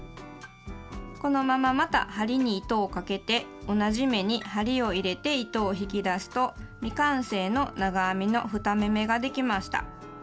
このまままた針に糸をかけて同じ目に針を入れて糸を引き出すと未完成の長編みの２目めができました。